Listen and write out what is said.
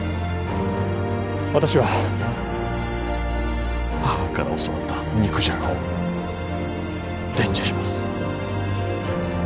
私は母から教わった肉じゃがを伝授します